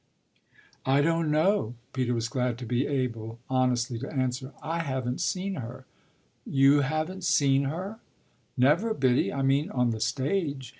"I don't know," Peter was glad to be able honestly to answer. "I haven't seen her." "You haven't seen her?" "Never, Biddy. I mean on the stage.